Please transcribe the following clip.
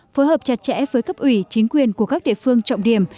phối hợp chặt chẽ với cấp ủy chính quyền của các địa phương trọng điểm